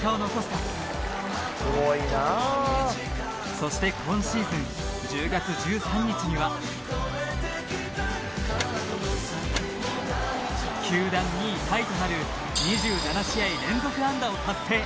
そして今シーズン１０月１３日には球団２位タイとなる２７試合連続安打を達成